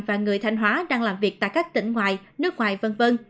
và người thanh hóa đang làm việc tại các tỉnh ngoài nước ngoài v v